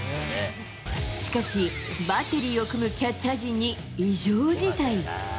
しかし、バッテリーを組むキャッチャー陣に異常事態。